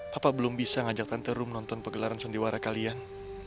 papa belum bisa ngajak tante ru nonton pegelaran sandiwara kalian